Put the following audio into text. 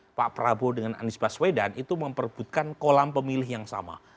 jadi pak prabowo dengan anies baswedan itu memperbutkan kolam pemilih yang sama